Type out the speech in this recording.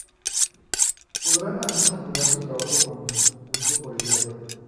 Podrá así conjugar su trabajo con su gusto por el teatro.